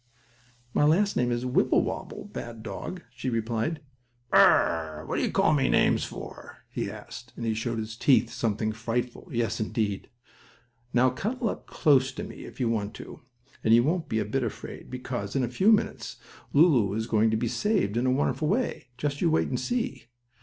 "My last name is Wibblewobble, Bad Dog," she replied. "Bur r r r! What are you calling me names for?" he asked, and he showed his teeth something frightful, yes, indeed! Now cuddle up close to me if you want to, and you won't be a bit afraid, because, in a few minutes Lulu is going to be saved in a wonderful way. Just you wait and see.